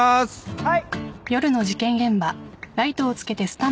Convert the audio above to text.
はい。